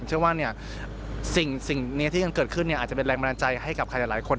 เชื่อว่าสิ่งนี้ที่ยังเกิดขึ้นอาจจะเป็นแรงบันดาลใจให้กับใครหลายคน